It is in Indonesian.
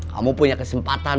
kamu punya kesempatan